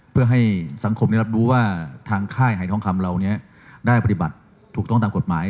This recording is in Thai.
เพื่อให้สังคมได้รับรู้ว่าทางค่ายหายทองคำเหล่านี้ได้ปฏิบัติถูกต้องตามกฎหมาย